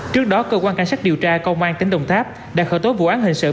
trước đó cơ quan cảnh sát điều tra công an tỉnh đồng tháp đã khởi tố vụ án hình sự